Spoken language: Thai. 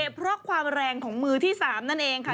เพราะความแรงของมือที่๓นั่นเองค่ะ